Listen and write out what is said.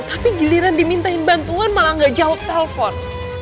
tapi giliran dimintain bantuan malah gak jawab telepon